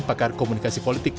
pakar komunikasi politik